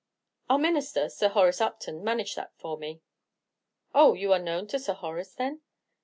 "Our Minister, Sir Horace Upton, managed that for me." "Oh, you are known to Sir Horace, then?"